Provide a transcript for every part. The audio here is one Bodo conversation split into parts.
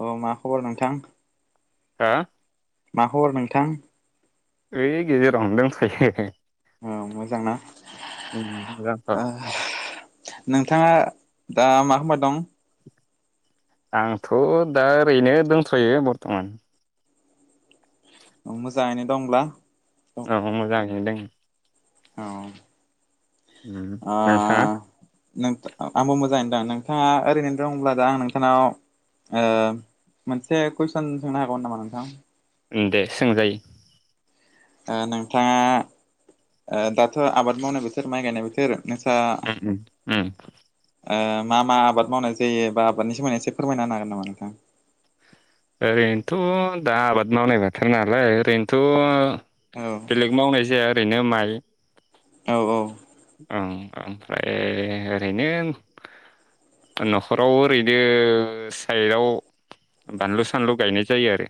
अ मा खबर नोंथां? हो मा खबर नोंथां? एय गेजेरावनो दंथ'यो। औ मोजांना? उम मोजांथ' ओ नोंथाङा दा मा खालामबाय दं? आंथ' दा ओरैनो दोनथ'यो बर्थ'मान। मोजाङैनो दंब्ला। औ मोजाङैनो दङ। औ। उम नोंथांआ नोंथां आंबो मोजाङै दं नोंथाङा ओरैनो दंब्ला दा आं नोंथांनाव। ओ मोनसे कुइसन सोंनो हागौमोन नामा नोंथां? दे सोंजायो। ओ नोंथाङा ओ दाथ' आबाद मावनाय बोथोर माइ गायनाय बोथोर। नोंस्रा उम उम उम मा मा आबाद मावनाय जायोबा आबादनि सोमोन्दै एसे फोरमायना हागोन नामा नोंथां? ओरैनोथ' दा आबाद मावनाय बोथार नालाय ओरै थ' हागोन नामा नोंथां बेलेग मावनाय जाया ओरैनो माइ औ औ ओं ओमफ्राय ओरैनो न'खराव ओरैनो साइडआव बानलु सानलु गायनाय जायो आरो।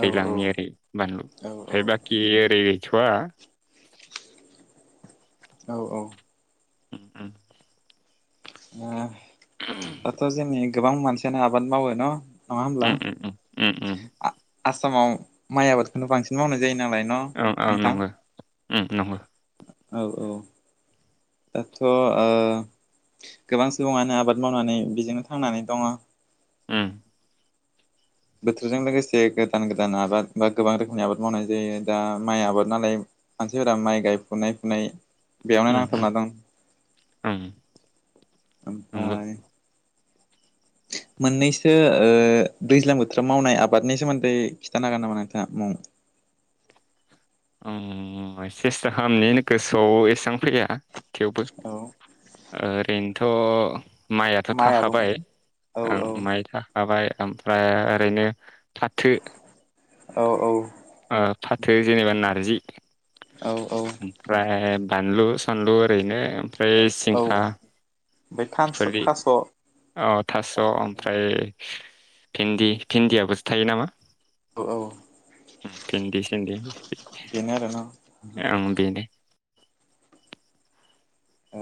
औ दैज्लांनि ओरै बानलु औ आमफ्राय बाखि ओरै गैथ'वा औ औ उम उम दाथ' जोंनि गोबां मानसियानो आबाद मावो न' नङा होनब्ला उम उम उम उम उम आसामाव माइ आबादखौनो बांसिन मावनाय जायो नालाय। न' औ औ नोंथां नंगौ। उम नंगौ औ औ दाथ' ओ गोबां सुबुङानो आबाद मावनानै बिजोंनो थांनानै दङ। उम बोथोरजों लोगोसे गोदान गोदान आबाद बा गोबां रोखोमनि आबाद मावनाय जायो दा माइ आबाद नालाय मानसिफोरा माइ गायफुनाय फुनाय बेयावनो उम उम नांथाना दं। ओं नंगौ ओमफाय मोननैसो ओ सदैज्लां बोथोराव मावनाय आबादनि सोमोन्दै खिथानो हागोन नामा नोंथाङा मुं? ओम सेस्था खालामनि गोसोआव एसेबां फैया थेवबो औ ओरैनोथ' माइयाथ' माइ आबो थाखाबाय औ ओं औ माइब्रा थाबाय ओमफ्राय ओरैनो फाथो औ औ ओ फाथो जेनेबा नारजि औ औ ओमफ्राय बानलु सानलु ओरैनो ओमफ्राय सिंखा ओमफाय थास थास' औ थास' ओमफ्राय भन्दि भिन्दियाबोसो थायो नामा औ ओम भेन्दि सन्दिप बेनो आरोना ओम बेनि अ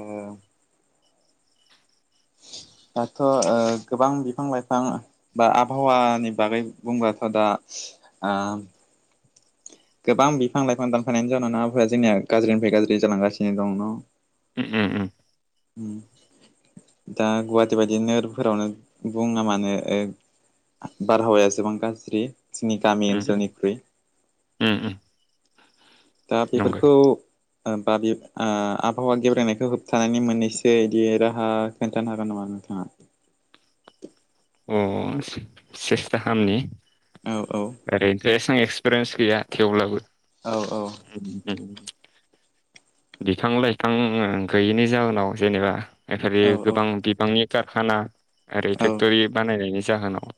दाथ' ओ गोबां बिफां लाइफां बा आबहावानि बागै बुंबाथ' दा ओ गोबां बिफां लाइफां दानफानायनायनि जाउनाव आबहावाया जोंनिया गाज्रिनिफ्राय गाज्रि जालांगासिनो दं न'? ओम ओम ओम दा गुवाहाटि बायदि नोगोरफोरावनो बुङा मानो ओ बारहावाया जोबां गाज्रि जोंनि गामि ओनसोलनिख्रुइ ओम ओम दा बेफोरखौ ओ बा बि ओ आबहावा गेब्रेनायखौ होबथानायनि मोननैसो इदि राहा खोन्थानो हागोन नामा नोंथाङा अअ से -सेस्था खालामनि औ औ ओरैनोथ' एसा एक्सपिरियेन्स गैया थेवब्लाबो औ औ [unintelligible] बिफां लाइफां ओं गैयिनि जााहोनाव जेनेबा [unintelligible] गोबां बिबांनि कारखाना ओरै औ फेक्ट'रि बानायनायनि जाहोनाव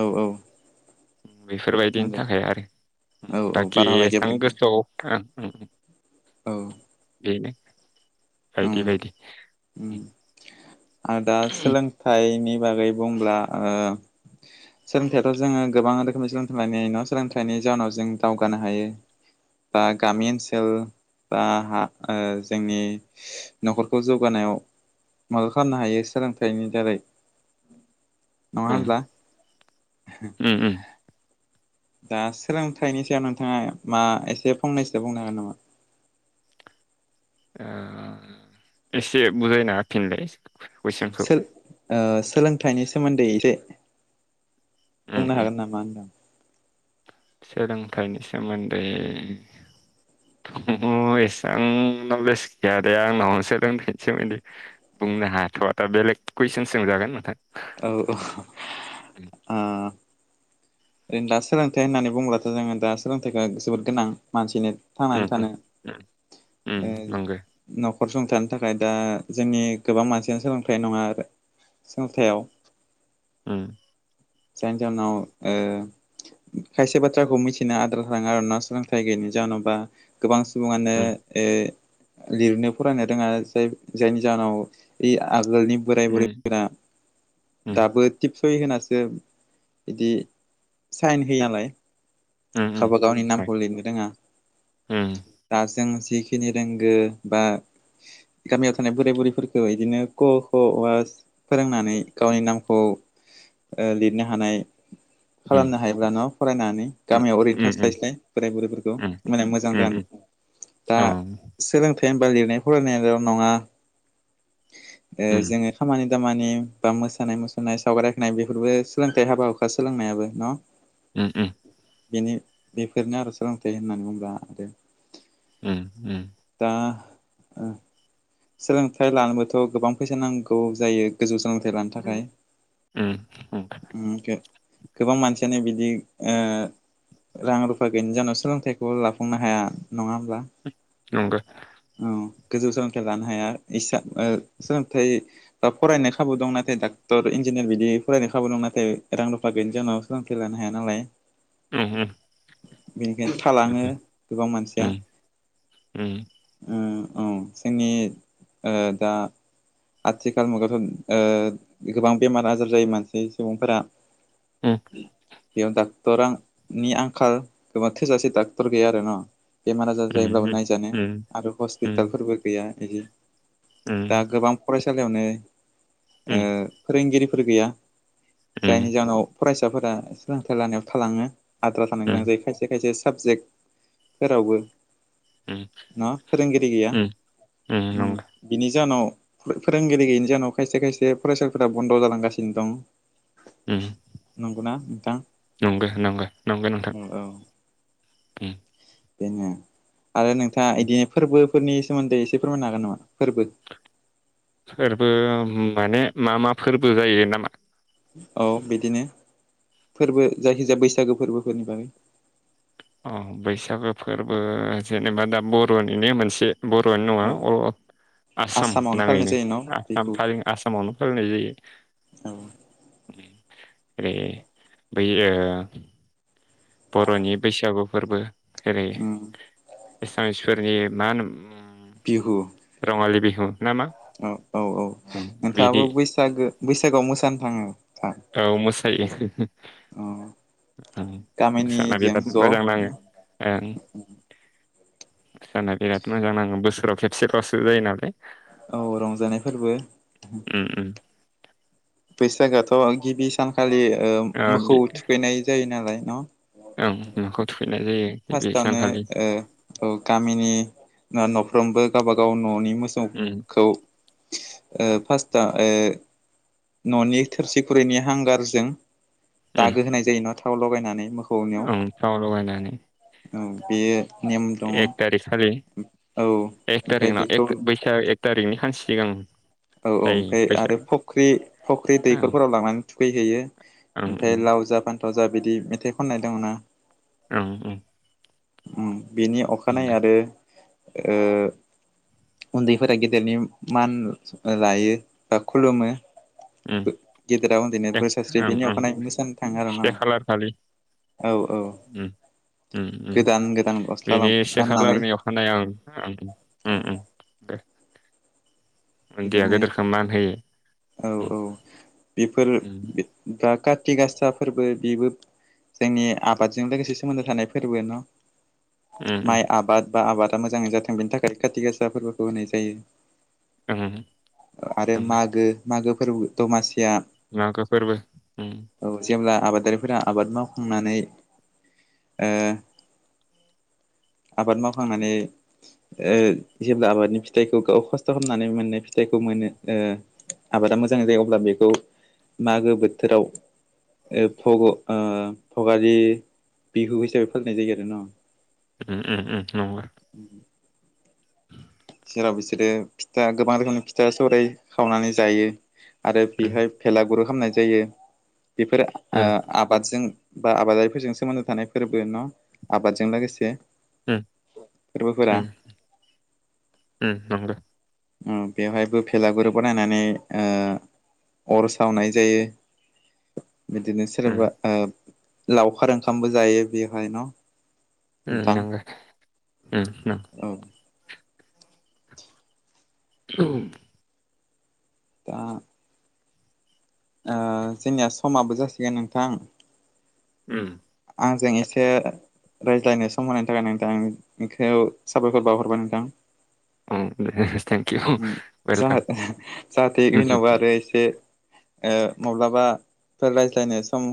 औ औ बेफोरबायदिनि नंगौ थाखाय आरो औ औ दाखि बारहावा एसेबां गेब्रेंदों गोसोआव औ बेनो ओम बायदि बायदि ओम आरो दा सोलों थाइनि बागै बुंब्ला ओ सोलोंथाइयाथ' जोङो गोबां रोखोमनि सोलोंथाइ लानो हायो न' सोलोंथाइ लानायनि जाउनाव जों दावगानो हायो बा गामि ओनसोल बा हा ओ जोंनि न'खरखौ जौगानायाव मदद खालामनो हायो सोलोंथाइनि दारै नङा होनब्ला? ओम ओम दा सोलोंथाइनि सायाव नोंथाङा मा एसे फंनैसो बुंनो हागोन नामा ओ एसे बुजायना होफिनलाय कुइसनखौ सो ओ सोलोंथाइनि सोमोन्दै एसे उम बुंनो उम हागोन नामा होनदां सोलोंथाइनि सोमोन्दै ओहो एसां नलेस गैया दे आंनाव [unintelligible] बुंनो हाथ'आ दा बेलेग कुइसन सोंजागोन नोंथां। औ औ उम ओ ओरैनो दा सोलोंथाइ होननानै बुंब्लाथ' जोङो दा सोलोंथाइखौ जोबोद गोनां मानसिनो उम थांनानै थानो। उम उम ओ नंगौ न'खर सुंथानो थाखाय दा जोंनि गोबां मानसियानो सोलोंथाइनि नङा आरो सोलोंथायाव ओम। जायनि जाहोनाव ओ खायसे बाथ्राखौ मिथिनो आद्रा थालाङो आरो ना सोलोंथाइ गैयि जाहोनाव बा गोबां सुबुङानो उम ओ लिरनो फरायनो रोङा जाय-जायनि जाहोनाव इ आगोलनि बोराय उम बुरैफोरा उम दाबो थिब सहि होनासो इदि साइन होयालाय। उम उम खाबा गावनि हाय नामखौ लिरनो रोङा। उम दा जों जिख खिनि रोंगो बा गामियाव थानाय बोराय बुरैफोरखौ इदिनो क क वास फोरोंनानै गावनि नामखौ ओ लिरनो हानाय उम खालामनो हायोब्ला न' फरायनानै उम गामियाव ओरैनो उम उम थास्लायस्लाय। बोराय बुरैफोरखौ उम माने मोजां उम जागोन। उम दा अ सोलोंथाइ होनबा लिरनाय फरायनायाल' नङा। ओ उम जोङो खामानि दामानि बा मोसानाय मुसुरनाय सावगारि आखिनाय बेफोरबो सोलोंथाइ हाबा हुखा सोलोंनायाबो न'? ओम ओम। बेनि बेफोरनो आरो सोलोंथाइ होननानै बुंब्ला आरो। ओम ओ। दा ओ सोलोंथाइ लानोबोथ' गोबां फैसा नांगौ जायो। गोजौ सोलोंथाइ लानो उम थाखाय। उम उम ओम गो-गोबां मानसियानो बिदि ओ रां रुफा गैयिनि जाहोनाव सोलोंथाइखौ लाफुंनो हाया। नङा होनब्ला? नंगो। औ गोजौ सोलोंथाइ लानो हाया एसा ओ सोलोंथाइ दा फरायनो खाबु दं। नाथाय डाक्टर इन्जिनियार बिदि फरायनो खाबु दं नाथाय रां रुफा गैयैनि जाहोनाव थांखि लानो हाया नालाय। ओमहो। बिनिखायनो थालाङो गोबां मानसिया। उम उम ओ औ जोंनि ओ दा आथिखाल मुगायावाथ' ओ गोबां बेमार आजार जायो मानसि सुबुंफोरा। उम उम बेयाव डक्ट'रां नि आंखाल एबा थोजासे डाक्ट'र गैया आरो न'। बेमार आजार जायोब्लाबो उम उम नायजानो उम आरो हस्पिटालफोरबो गैया इदि। दा गोबां फरायसालियावनो ओ फोरोंगिरिफोर गैया। उम जायनि जाहोनाव फरायसाफोरा सोलोंथाइ लानायाव थालाङो। आद्रा थानो गोनां जायो खायसे खायसे साबजेक्टफोरावबो। उम न' फोरोंगिरि गैया। उम उम। बिनि जाहोनाव फो-फोरोंगिरि गैयिनि जाहोनाव खायसे खायसे फरायसालिफोरा बन्द' जालांगासिनो दं। नंगौना नोंथां? नंगो नंगो नंगो नोंथां। औ औ उम बेनो। आरो नोंथांङा उम। बिदिनो फोरबोफोरनि सोमोन्दै एसे फोरमायनो हागोन नामा? फोरबो। फोरबो माने मा मा फोरबो जायो ना मा? औ बिदिनो। फोरबो जायखिजाया बैसागो फोरबोफोरनि बागै। अ बैसागो फोरबो जेनेबा दा बर'निनो मोनसे बर'आनो नङा औ अ आसाम आसामावनो फालिनाय नाङैनो जायो न' बेखौ आसाम थाल आसामावनो फालिनाय जायो औ ए बै ओै बर'नि बैसागु फोरबो ओरै उम एसामिसफोरनि मा होनो बिहु रङालि बिहु ना मा औ औ-औ नोंथांङाबो बैसागो बैसागोआव मोसानो थांङो औ मोसायो अ मोसा गामिनिजों बिराद मोजां नांङो ज' ओं जाना बिराद मोजां नांङो बोसोराव खेबसेबावसो जायो नालाय औ रंजानाय फोरबो उम उम बैसागोआथ' गिबि सानखालि ओ मोखौ थुखैनाय जायो नालाय न ओं मोखौ थुखैनाय जायो बे सानखालि फार्स्टआवनो गामिनि न'फ्रोमबो गावबागाव न'नि मोसौ उम खौ ओ फासथा ओ न'नि थोरसि खुरैनि हांगारजों उम दागो होनाय जायो ना थाव लगायनानै मो ओं थाव लगायनानै औ बेयो नेम दंङो एक थारिख खालि औ एक ओमफ्राय थारिखनाव बेखौ एक एक थारिकनि सानसि सिगां औ औ जायो ओमफ्राय बैसाग आरो फख्रि फख्रि ओं दैखरफोराव लांनानै थुखैहैयो ओं ओमफ्राय ओं लाव जा फान्थाव जा बिदि मेथाइ खननायदोंमोना औ औ बिनि अखानाय दे आरो उन्दैफोरा गेदेरनि मान लायो बा खुलुमो उम गेदेरा उन्दैनो दे बोर सास्रियो ओं बेनि ओं अखानाय मोसानो थांङो आरो ना से खालार खालि औ औ उम गोदान गोदान गस्ला बेनि एसे गाननानै खालारनियाव खानाय ओम औ ओम दे उन्दैआ बिदिनो गेदेरखौ मान होयो औ उम औ बेफोर उम बा कारति गासाफोरबो बेबो जोंनि आबादजों लोगोसे सोमोन्दो थानाय फोरबो न' उम उम माइ आबाद बा आबादा मोजांङै जाथों बेनि थाखाय खाथि गासा फोरबोखौ होनाय जायो उम आरो मागो मागो फोरबो दमासिया मागो फोरबो ओम औ जेब्ला आबादारिफोरा आबाद मावखांनानै ओ आबाद मावखांनानै ओ जेब्ला आबादनि फिथाइखौ गाव खस्थ खाम नानै मोननाय फिथाइखौ मोनो ओ आबादा मोजां जायो अब्ला बेखौ मागो बोथोराव ओ भग ओ भगालि बिहु हिसाबै फालिनाय जायो आरो न ओम ओम ओम न जेराव बिसोरो फिथा गोबां रोखोमनि फिथा सौराइ खावनानै जायो आरो उम बेहाय भेलागुरु खामनाय जायो बेफोर उम आ- आबादजों बा आबादारि फोरजों सोमोन्दो थानाय फोरबो न आबादजों लोगोसे ओम फोरबोफोरा ओम-ओम नंगो ओम बेवहायबो भेलागुरु बनायनानै ओ अर सावनाय जायो बिदिनो सोरबा उम ओब लावखार ओंखामबो जायो बेवहाय न। ओम नोंथां नोंगो ओम‌ नो औ। [unintelligible] दा ओ जोंनिया समाबो जासिगोन नोंथां। ओम। आंजों एसे रायज्लायनो सम होनायनि थाखाय नोंथांखौ साबायखर बावहरबाय नोंथां। ओं आरैहाय फारसेथिं ओम जाहा जाहाथे उनावबा आरो एसे ओ माब्लाबाफोर रायज्लायनो सम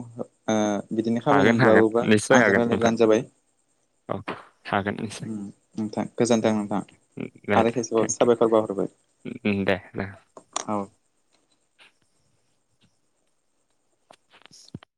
ओ बिदिनो खाबु हागोन हागोन मोनब्लाबोबा निस्सय आजों हागोन नोंथां रायलायब्लानो जाबाय। औ हागोन एसे उम नोंथां गोजोन्थों नोंथां आरो खेसेबाव साबायखर बाव हरबाय। उम उम दे ओ। औ। [inaudible]